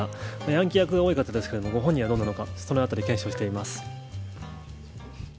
ヤンキー役が多い方ですが本人はどうなのかそのあたり、検証してみます。